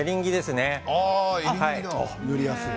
塗りやすい。